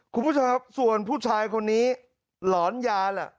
คุณผู้ชมครับส่วนผู้ชายคนนี้หลอนยาแหละ